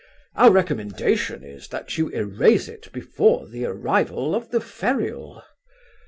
Our recommendation is, that you erase it before the arrival of the ferule.